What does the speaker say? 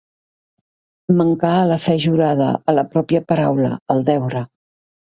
Mancar a la fe jurada, a la pròpia paraula, al deure.